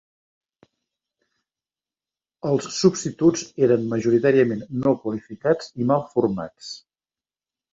Els substituts eren majoritàriament no qualificats i mal formats.